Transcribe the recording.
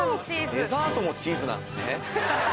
・デザートもチーズなんですね・